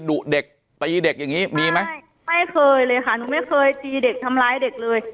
ดุเด็กตีเด็กอย่างงี้มีไหมไม่เคยเลยค่ะหนูไม่เคยตีเด็กทำร้ายเด็กเลย